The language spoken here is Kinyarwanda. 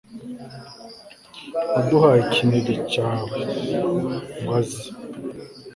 waduhaye ikinege cawe, ngw'aze